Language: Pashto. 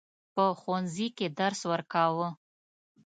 په ښوونځي کې درس ورکاوه.